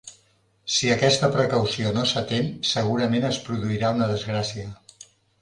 Si aquesta precaució no s'atén, segurament es produirà una desgràcia.